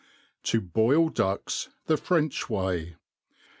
To boil ducks the French way.